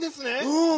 うん。